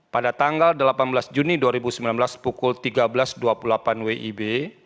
pada tanggal delapan belas juni dua ribu sembilan belas pukul tiga belas dua puluh delapan wib